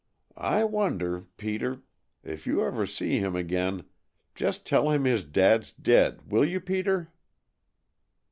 I wonder Peter, if you ever see him again, just tell him his dad's dead, will you, Peter?".